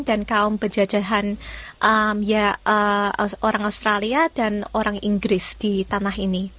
dan kaum penjajahan orang australia dan orang inggris di tanah ini